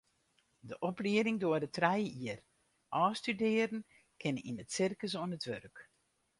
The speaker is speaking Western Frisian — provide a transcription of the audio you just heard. De oplieding duorret trije jier, ôfstudearren kinne yn it sirkus oan it wurk.